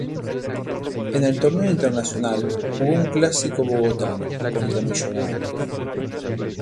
En el torneo internacional, jugó un Clásico bogotano contra Millonarios.